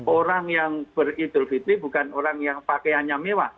orang yang beridul fitri bukan orang yang pakaiannya mewah